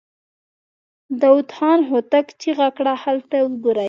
داوود خان هوتک چيغه کړه! هلته وګورئ!